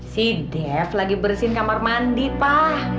si def lagi bersihin kamar mandi pak